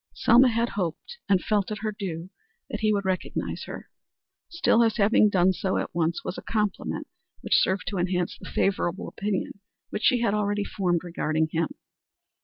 Selma had hoped, and felt it her due, that he would recognize her. Still his having done so at once was a compliment which served to enhance the favorable opinion which she had already formed regarding him.